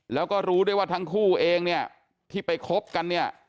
แล้วก็รู้ด้วยว่าทั้งคู่เองเนี่ยที่ไปคบกันเนี่ย